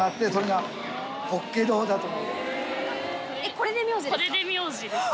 これで名字です。